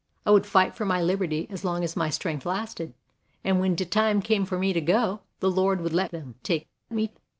I would fight for my liberty as long as my strength lasted, and when de time came for me to go, the Lord would let them take me."